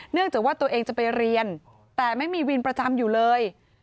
จากว่าตัวเองจะไปเรียนแต่ไม่มีวินประจำอยู่เลย